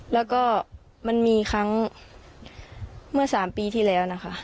แล้วก็มันมีครั้งเมื่อ๓ปีที่แล้วนะคะ